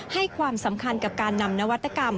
ให้ความสำคัญกับการนำนวัตกรรม